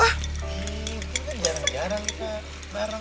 iya kita kan jarang jarang kita bareng